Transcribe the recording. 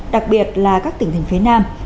đặc biệt là các tỉnh thành phía nam